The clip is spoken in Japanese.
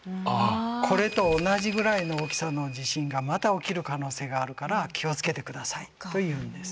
これと同じぐらいの大きさの地震がまた起きる可能性があるから気を付けて下さいと言うんです。